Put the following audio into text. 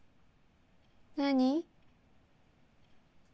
何？